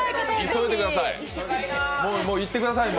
急いでください。